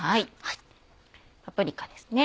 パプリカですね。